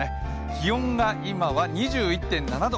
気温が２１．７度。